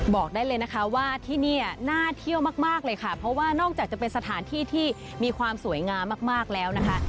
บอกได้เลยนะคะว่าที่นี่น่าเที่ยวมากเลยค่ะเพราะว่านอกจากจะเป็นสถานที่ที่มีความสวยงามมากแล้วนะคะ